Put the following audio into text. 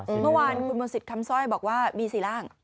เมื่อวานคุณมนต์สิทธิ์คำสร้อยบอกว่ามี๔ร่าง